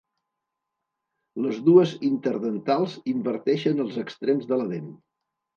Les dues interdentals inverteixen els extrems de la dent.